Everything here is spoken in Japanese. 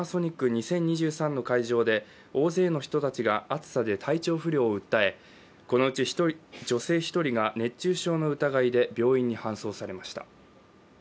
２０２３の会場で大勢の人たちが暑さで体調不良を訴え、このうち女性１人が熱中症の疑いで病院に搬送されました。